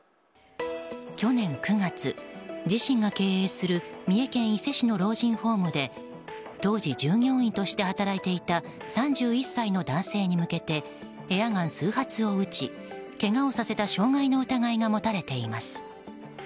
去年９月、自身が経営する三重県伊勢市の老人ホームで当時従業員として働いていた３１歳の男性に向けてエアガン数発を撃ちけがをさせた傷害の疑いが持たれています。